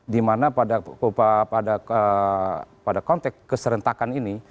dimana pada konteks keserentakan ini